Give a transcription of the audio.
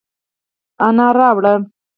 انار راوړه،